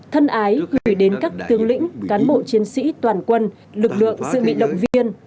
thân ái gửi đến các tướng lĩnh cán bộ chiến sĩ toàn quân lực lượng dự bị động viên